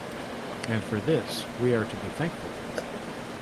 And for this we are to be thankful.